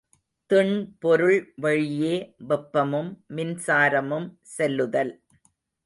திண்பொருள் வழியே வெப்பமும் மின்சாரமும் செல்லுதல்.